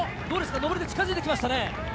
上りで近づいてきましたね。